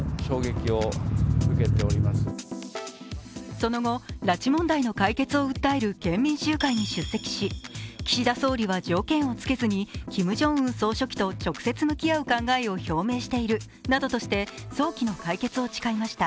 その後、拉致問題の解決を訴える県民集会に出席し岸田総理は条件をつけずにキム・ジョンウン総書記と直接向き合う考えを表明しているなどとして、早期の解決を誓いました。